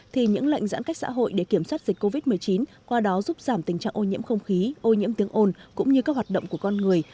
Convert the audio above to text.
thì những lệnh giãn cách xã hội để kiểm soát dịch covid một mươi chín qua đó giúp giảm tình trạng ô nhiễm không khí ô nhiễm tiếng ồn cũng như các hoạt động của con người